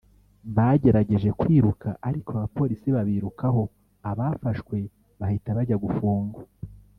bagerageje kwiruka ariko abapolisi babirukaho abafashwe bahita bajya gufungwa